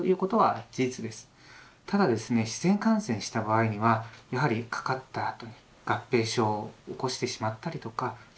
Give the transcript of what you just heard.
自然感染した場合にはやはりかかったあとに合併症を起こしてしまったりとかそのあと後遺症。